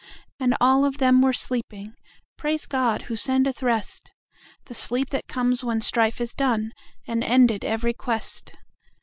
And all of them were sleeping(Praise God, who sendeth rest!)The sleep that comes when strife is doneAnd ended every quest.